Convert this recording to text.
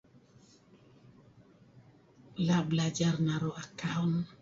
La' belajar naru' akaun.